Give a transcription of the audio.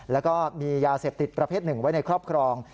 แล้วก็มียาเสพติดประเภทหนึ่งไว้ในครอบครอง